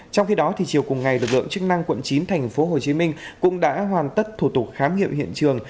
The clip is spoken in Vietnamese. trong khi đó chiều cùng ngày lực lượng chức năng quận chín tp hcm cũng đã hoàn tất thủ tục khám nghiệm hiện trường